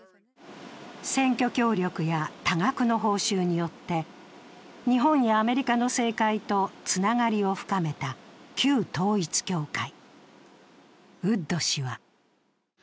選挙協力や多額の報酬によって日本やアメリカの政界とつながりを深めた旧統一教会。